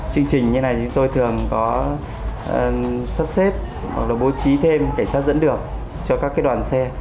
chương trình như này thì tôi thường có sắp xếp hoặc là bố trí thêm cảnh sát dẫn được cho các đoàn xe